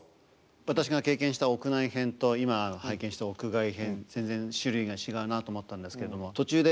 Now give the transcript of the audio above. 私が経験した屋内編と今拝見した屋外編全然種類が違うなと思ったんですけども。